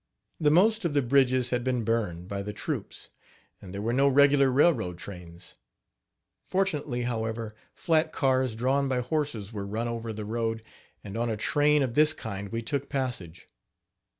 The most of the bridges had been burned, by the troops, and there were no regular railroad trains. Fortunately, however, flat cars, drawn by horses were run over the road; and on a train of this kind we took passage.